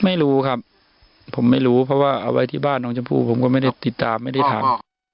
ไม่รู้ครับผมไม่รู้เพราะว่าเอาไว้ที่บ้านน้องชมพู่ผมก็ไม่ได้ติดตามไม่ได้ถาม